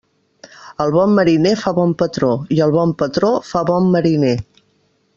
El bon mariner fa bon patró i el bon patró fa bon mariner.